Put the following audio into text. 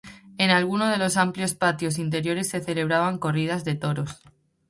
En algunos de los amplios patios interiores se celebraban corridas de toros.